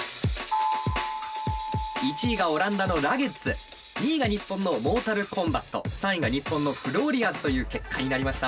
１位がオランダのラゲッズ２位が日本のモータルコンバット３位が日本のフローリアーズという結果になりました。